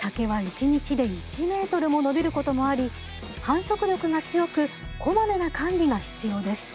竹は一日で１メートルも伸びることもあり繁殖力が強くこまめな管理が必要です。